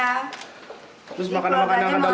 terus makanan makanan ada luasa di pantai ini gimana bu